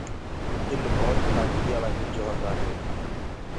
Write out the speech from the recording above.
تل ڀوت تآڪتيآݪآ ٻج هوندآ هينٚ۔